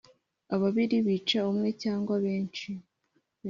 Ababiri bica umwe cyangwa bensi